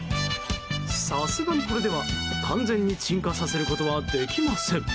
さすがに、これでは完全に鎮火させることができません。